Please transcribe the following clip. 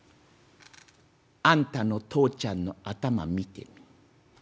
あんたの父ちゃんの頭見てみ。